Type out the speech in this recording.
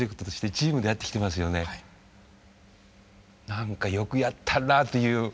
「なんかよくやったなあ」という。